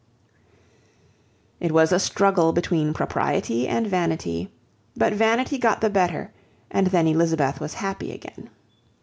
It was a struggle between propriety and vanity; but vanity got the better, and then Elizabeth was happy again.